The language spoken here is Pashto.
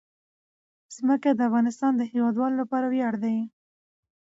ځمکه د افغانستان د هیوادوالو لپاره ویاړ دی.